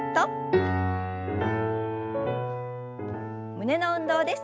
胸の運動です。